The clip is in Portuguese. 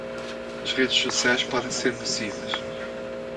As redes sociais podem ser nocivas.